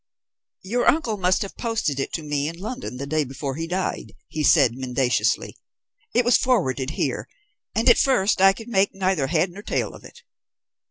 "Your uncle must have posted it to me in London the day before he died," he said mendaciously. "It was forwarded here, and at first I could make neither head nor tail of it."